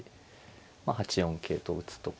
まあ８四桂と打つとか。